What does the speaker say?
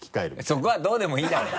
そこはどうでもいいだろ。